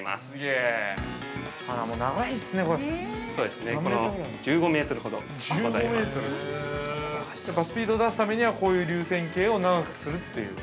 ◆やっぱスピード出すためにはこういう流線型を長くするという。